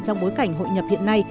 trong bối cảnh hội nhập hiện nay